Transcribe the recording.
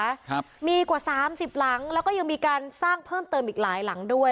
ครับมีกว่าสามสิบหลังแล้วก็ยังมีการสร้างเพิ่มเติมอีกหลายหลังด้วย